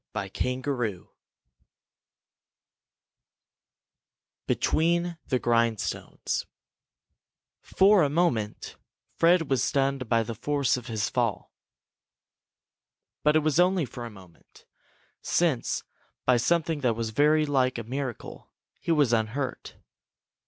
CHAPTER XVI BETWEEN THE GRINDSTONES For a moment Fred was stunned by the force of his fall. But it was only for a moment, since, by something that was very like a miracle, he was unhurt.